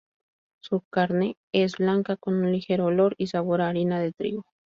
Su carne es blanca, con un ligero olor y sabor a harina de trigo.